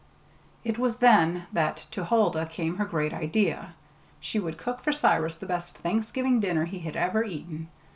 It was then that to Huldah came her great idea; she would cook for Cyrus the best Thanksgiving dinner he had ever eaten.